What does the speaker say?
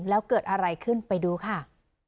แล้วเกิดอะไรขึ้นไปดูค่ะ